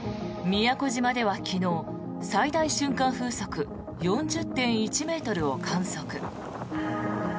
宮古島では昨日最大瞬間風速４０．１ｍを観測。